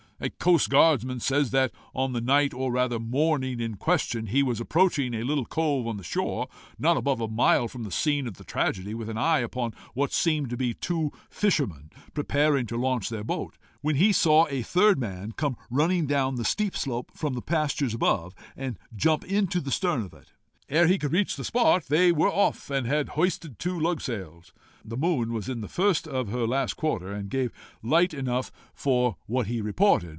A coast guardsman says that, on the night or rather morning in question, he was approaching a little cove on the shore, not above a mile from the scene of the tragedy, with an eye upon what seemed to be two fishermen preparing to launch their boat, when he saw a third man come running down the steep slope from the pastures above, and jump into the stern of it. Ere he could reach the spot, they were off, and had hoisted two lugsails. The moon was in the first of her last quarter, and gave light enough for what he reported.